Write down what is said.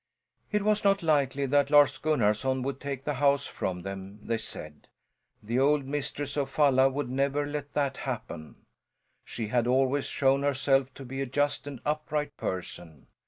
It was not likely that Lars Gunnarson would take the house from them, they said. The old mistress of Falla would never let that happen. She had always shown herself to be a just and upright person.